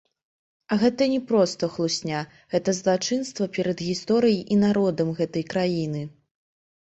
А гэта не проста хлусня, гэта злачынства перад гісторыяй і народам гэтай краіны.